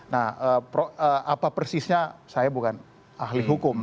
nah apa persisnya saya bukan ahli hukum